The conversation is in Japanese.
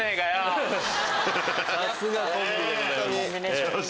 さすがコンビでございます。